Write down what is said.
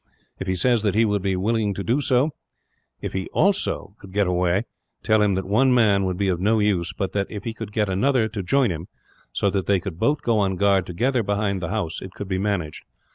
If he says that he would willingly do so, if he also could get away, tell him that one man would be of no use but that, if he could get another to join him, so that they could both go on guard together behind the house, it could be managed.